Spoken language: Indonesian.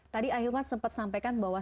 tadi ahilman sempat sampaikan bahwa